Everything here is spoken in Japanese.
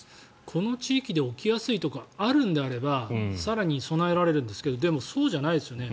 この地域で起きやすいとかあるのであれば更に備えられるんですがでも、そうじゃないですよね。